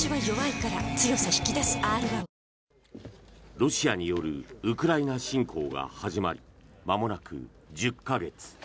ロシアによるウクライナ侵攻が始まりまもなく１０か月。